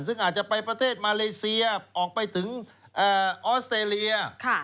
ซึ่งอาจจะไปประเทศมาเลเซียออกไปถึงออสเตรเลีย